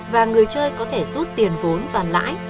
và người chơi có thể rút tiền vốn và lãi